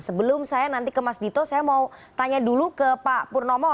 sebelum saya nanti ke mas dito saya mau tanya dulu ke pak purnomo